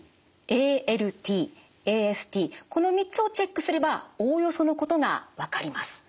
この３つをチェックすればおおよそのことが分かります。